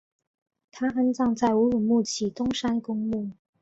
他安葬在乌鲁木齐东山公墓。